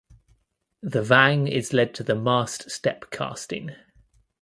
The vang is led to the mast step casting.